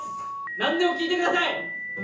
何でも聞いてください！